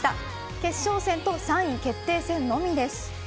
決勝戦と３位決定戦のみです。